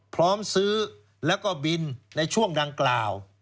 พร้อมซื้อแล้วก็บินในช่วงดังกล่าว